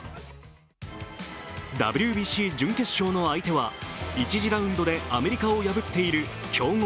ＷＢＣ準決勝の相手は１次ラウンドでアメリカを破っている強豪